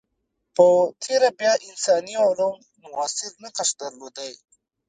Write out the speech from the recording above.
په تېره بیا انساني علوم موثر نقش درلودلی.